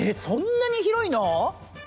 そんなにひろいの？